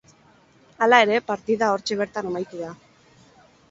Hala ere, partida hortxe bertan amaitu da.